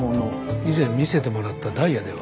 以前見せてもらったダイヤでは？